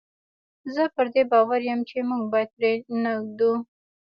زه پر دې باور یم چې موږ باید پرې نه ږدو.